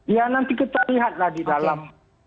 ya nanti kita lihatlah di dalam